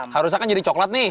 harusnya kan jadi coklat nih